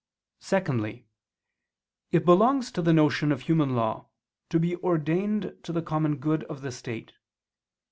Secondly, it belongs to the notion of human law, to be ordained to the common good of the state.